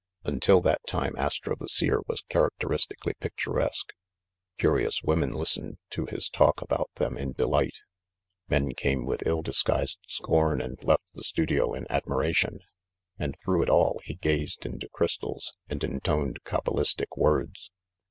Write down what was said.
Until that time Astro the Seer was characteristically picturesque. Curious women listened to his talk about them in delight, men came with ill disguised scorn and left the studio in admiration, and through it all he gazed into crystals, and intoned cabalistic words.